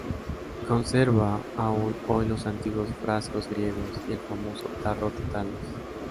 Conserva aún hoy los antiguos frascos griegos y el famoso tarro de Talos.